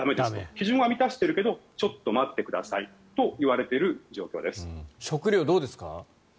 基準は満たしているけどちょっと待ってくださいと言われている状態です。